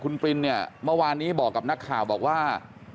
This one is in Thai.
คุณปรินเนี่ยเมื่อวานนี้บอกกับนักข่าวบอกว่า